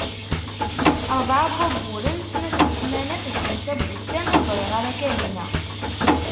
Rebɛa n wayyuren, snat n smanat d xemsa n wussan ur ẓriɣ ara Kahina.